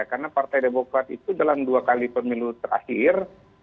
karena partai demokrasi itu dalam dua kali pemilu terakhir